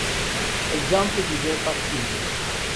Exemple de verbe passif.